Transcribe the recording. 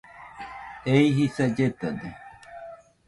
Ei jisa lletade.